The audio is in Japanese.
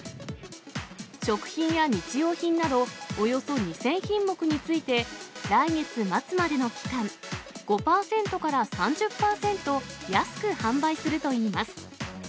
食品や日用品などおよそ２０００品目について、来月末までの期間、５％から３０％安く販売するといいます。